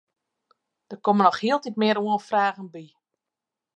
Der komme noch hieltyd mear oanfragen by.